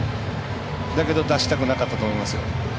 だけど、出したくなかったと思いますよ。